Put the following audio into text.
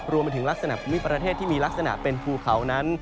รวมถึงลักษณะภูมิประเทศที่มีลักษณะเป็นภูเขานั้น